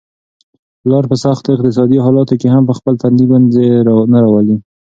پلار په سختو اقتصادي حالاتو کي هم په خپل تندي ګونجې نه راولي.